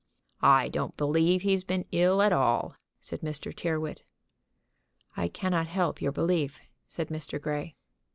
"I don't believe he's been ill at all," said Mr. Tyrrwhit. "I cannot help your belief," said Mr. Grey.